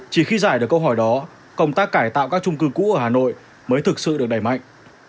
chỉ khi giải được câu hỏi đó công tác cải tạo các trung cư cũ ở hà nội mới thực sự được đẩy mạnh